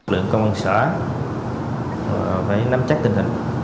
lượng công an xã phải nắm chắc tình hình